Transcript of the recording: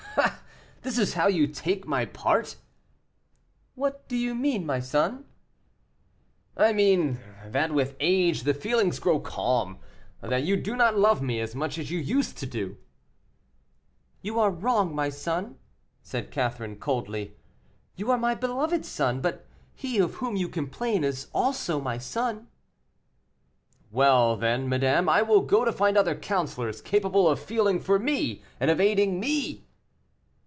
"Ah! this is how you take my part." "What do you mean, my son?" "I mean that with age the feelings grow calm that you do not love me as much as you used to do." "You are wrong, my son," said Catherine coldly; "you are my beloved son, but he of whom you complain is also my son." "Well, then, madame, I will go to find other counselors capable of feeling for me and of aiding me."